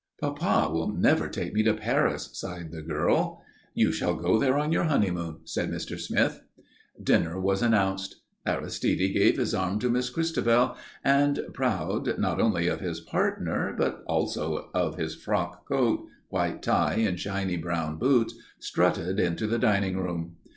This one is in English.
"Papa will never take me to Paris," sighed the girl. "You shall go there on your honeymoon," said Mr. Smith. Dinner was announced. Aristide gave his arm to Miss Christabel, and proud not only of his partner, but also of his frock coat, white tie, and shiny brown boots, strutted into the dining room.